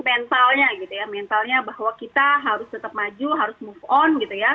mentalnya gitu ya mentalnya bahwa kita harus tetap maju harus move on gitu ya